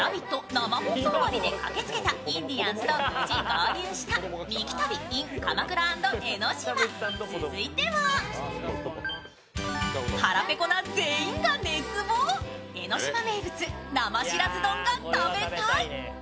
生放送終わりで駆けつけたインディアンスと無事合流したミキ旅ｉｎ鎌倉＆江の島、続いては腹ぺこな全員が熱望江の島名物・生しらす丼が食べたい！